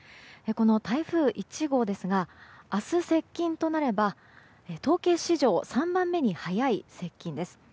この台風１号ですが明日、接近となれば統計史上３番目に早い接近です。